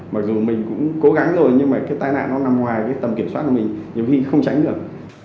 mặc dù mình cũng cố gắng rồi nhưng mà cái tai nạn nó nằm ngoài cái tầm kiểm soát của mình nhiều khi không tránh được